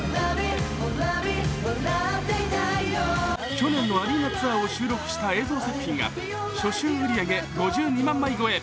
去年のアリーナツアーを収録した映像作品が初週売り上げ５２万超え。